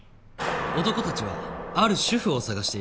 男たちはある主婦を捜していた。